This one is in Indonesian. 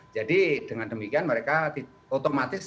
jadi dengan demikian mereka otomatis pekerjaannya menjadi menurut saya